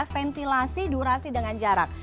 ventilasi durasi dengan jarak